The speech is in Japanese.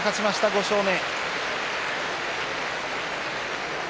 ５勝目。